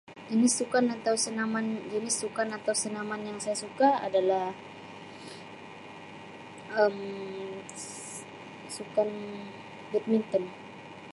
Jenis sukan atau senaman jenis sukan atau senaman yang saya suka adalah Um sukan badminton.